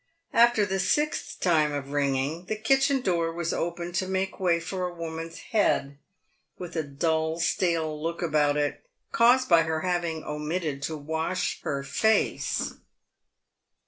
After the sixth time of ringing, the kitchen door was opened to make way for a woman's head, with a dull, stale look about it, caused by her having omitted to wash her face.